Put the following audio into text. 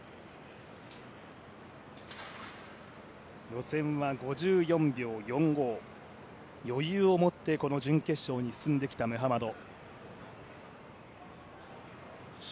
予選は５４秒４５、余裕を持って準決勝に進んできたムハマド。